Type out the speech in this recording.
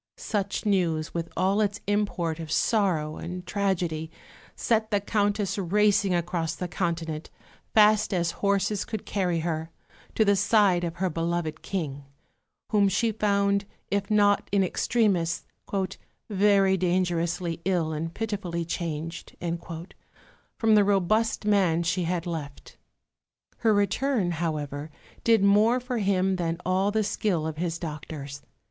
Such news, with all its import of sorrow and tragedy, set the Countess racing across the Continent, fast as horses could carry her, to the side of her beloved King, whom she found, if not in extremis, "very dangerously ill and pitifully changed" from the robust man she had left. Her return, however, did more for him than all the skill of his doctors.